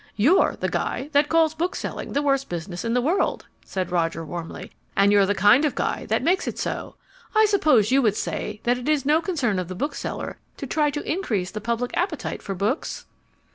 "You're the guy that calls bookselling the worst business in the world," said Roger warmly, "and you're the kind of guy that makes it so. I suppose you would say that it is no concern of the bookseller to try to increase the public appetite for books?"